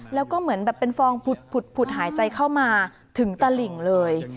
แล้วก็เหมือนแบบเป็นฟองผุดหายใจเข้ามาถึงตลิ่งเลย